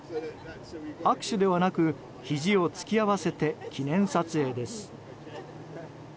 握手ではなくひじを突き合わせて記念撮影です。